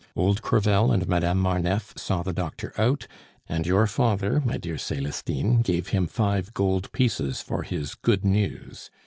Old Crevel and Madame Marneffe saw the doctor out; and your father, my dear Celestine, gave him five gold pieces for his good news.